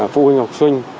phụ huynh học sinh